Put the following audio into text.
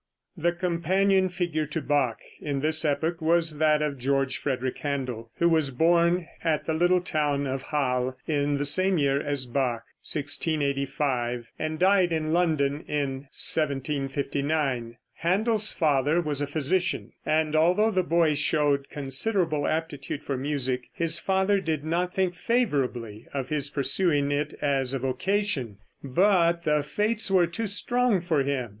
The companion figure to Bach, in this epoch, was that of George Frederick Händel, who was born at the little town of Halle in the same year as Bach, 1685, and died in London in 1759. Händel's father was a physician, and although the boy showed considerable aptitude for music his father did not think favorably of his pursuing it as a vocation; but the fates were too strong for him.